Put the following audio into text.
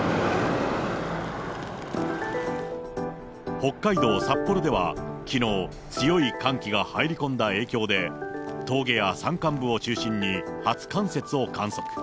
北海道札幌では、きのう、強い寒気が入り込んだ影響で、峠や山間部を中心に、初冠雪を観測。